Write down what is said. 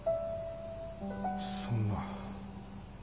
そんな。